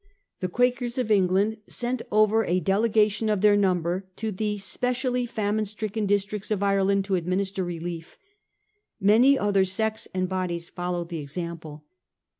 The Quakers of England sent over a delegation of their number to the specially famine stricken districts of Ireland to administer relief. Many other sects and bodies followed the example.